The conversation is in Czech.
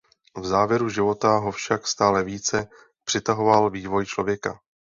V závěru života ho však stále více přitahoval vývoj člověka.